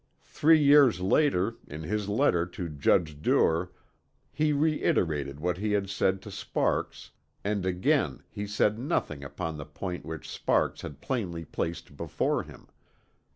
Three years later in his letter to Judge Duer he reiterated what he had said to Sparks, and again he said nothing upon the point which Sparks had plainly placed before him.